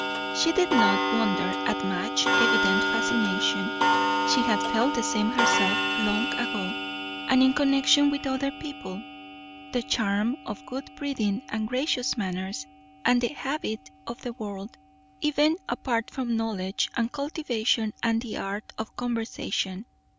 She did not wonder at Madge's evident fascination; she had felt the same herself long ago, and in connection with other people; the charm of good breeding and gracious manners, and the habit of the world, even apart from knowledge and cultivation and the art of conversation.